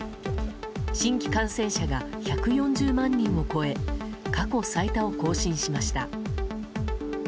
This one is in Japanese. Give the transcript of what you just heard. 新規感染者が１４０万人を超え過去最多を更新しました。